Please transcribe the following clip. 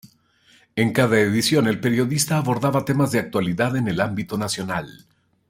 En cada edición el periodista abordaba temas de actualidad en el ámbito nacional.